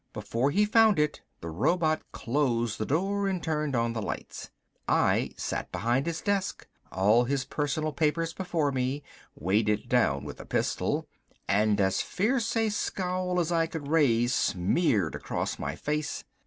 Before he found it, the robot closed the door and turned on the lights. I sat behind his desk, all his personal papers before me weighted down with a pistol and as fierce a scowl as I could raise smeared across my face.